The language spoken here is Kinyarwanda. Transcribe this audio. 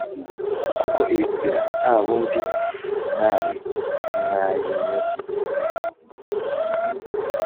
kuko iyo nzira nta bundi mwari mwayinyura.